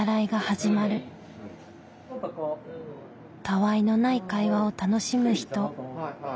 たわいのない会話を楽しむ人。